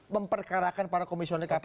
memperkarakan para komisioner kpu